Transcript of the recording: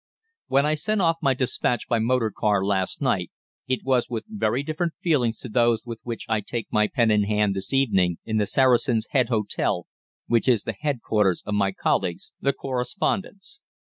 "When I sent off my despatch by motor car last night, it was with very different feelings to those with which I take my pen in hand this evening, in the Saracen's Head Hotel, which is the headquarters of my colleagues, the correspondents.